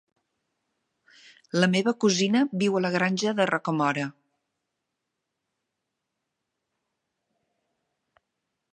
La meva cosina viu a la Granja de Rocamora.